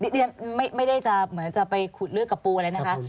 ดิฉันไม่ได้จะเหมือนจะไปขุดเลือกกับปูอะไรนะคะ